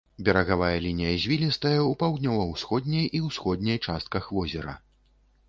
Берагавая лінія звілістая ў паўднёва-ўсходняй і ўсходняй частках возера.